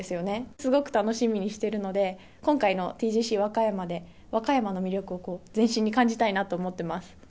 すごく楽しみにしてるので、今回のＴＧＣＷＡＫＡＹＡＭＡで、和歌山の魅力を全身に感じたいなと思ってます。